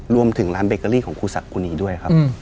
รวมถึงร้านเบเกอรี่ของครูสักครูนีด้วยครับ